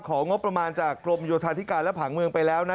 ของงบประมาณจากกรมโยธาธิการและผังเมืองไปแล้วนะ